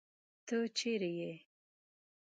تۀ چېرې ئې ؟